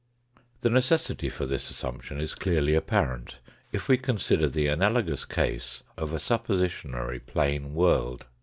The necessity for this assumption is clearly apparent, if we consider the analogous case of a suppositionary plane world.